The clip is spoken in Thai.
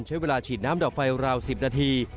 ใช้เวลาฉีดน้ำดับไฟราว๑๐นาที